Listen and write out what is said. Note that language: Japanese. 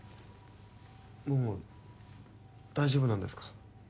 もう大丈夫なんですか？